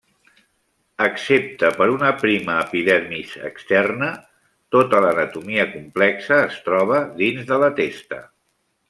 Excepte per una prima epidermis externa, tota l'anatomia complexa es troba dins de la testa.